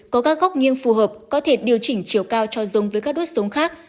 có các góc nghiêng phù hợp có thể điều chỉnh chiều cao cho giống với các đốt giống khác